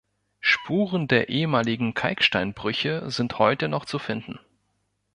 Spuren der ehemaligen Kalksteinbrüche sind heute noch zu finden.